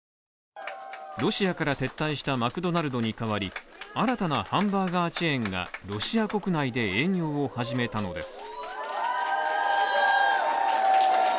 ロシアから撤退したマクドナルドに代わり新たなハンバーガーチェーンがロシア国内で営業を始めたのです。